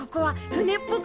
船っぽく？